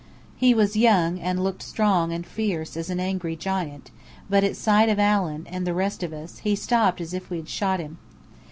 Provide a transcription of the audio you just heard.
He was young, and looked strong and fierce as an angry giant, but at sight of Allen and the rest of us, he stopped as if we had shot him.